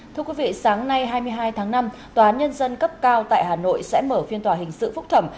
thưa quý vị sáng nay hai mươi hai tháng năm tòa án nhân dân cấp cao tại hà nội sẽ mở phiên tòa hình sự phúc thẩm